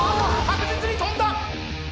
確実に跳んだ！